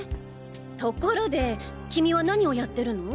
ところで君は何をやってるの？